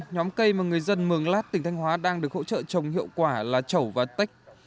nhóm cây mà người dân mường lát tỉnh thanh hóa đang được hỗ trợ trồng hiệu quả là chẩu và tách